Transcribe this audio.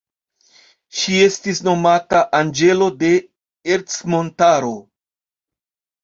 Ŝi estis nomata anĝelo de Ercmontaro.